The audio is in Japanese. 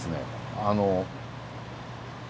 あの。